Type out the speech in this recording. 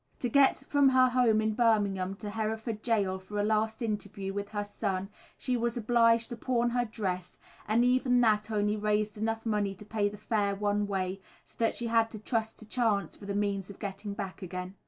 To get from her home in Birmingham to Hereford Gaol for a last interview with her son, she was obliged to pawn her dress, and even that only raised enough money to pay the fare one way, so that she had to trust to chance for the means of getting back again.